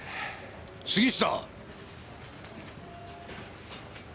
杉下。